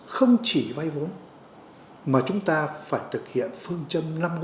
không chỉ vay vốn mà chúng ta phải thực hiện phương châm năm hỗ trợ